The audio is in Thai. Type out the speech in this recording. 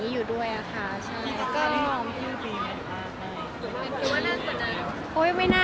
อยู่ด้วยอะค่ะ